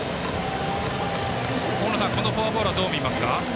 大野さんこのフォアボールはどう見ますか？